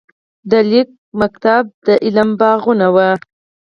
د لیک ښوونځي د علم باغونه وو.